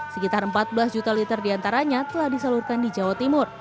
sekitar empat belas juta liter di antaranya telah diseluruhkan di jawa timur